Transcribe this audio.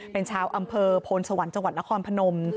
เป็นชาวอำเภอโพนสวรรค์จนครพนม